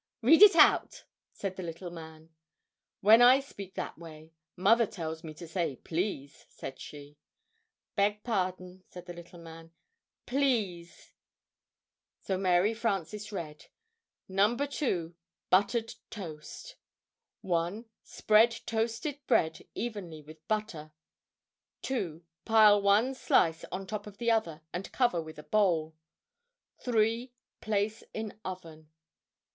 "Read it out!" said the little man. "When I speak that way, Mother tells me to say 'Please,'" said she. [Illustration: "Grandificent!" exclaimed Toaster.] "Beg pardon," said the little man, "Please." So Mary Frances read: NO. 2. BUTTERED TOAST. 1. Spread toasted bread evenly with butter. 2. Pile one slice on top of the other, and cover with a bowl. 3. Place in oven.